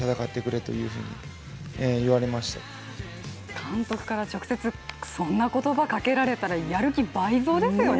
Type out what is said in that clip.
監督から直接そんな言葉かけられたらやる気、倍増ですよね。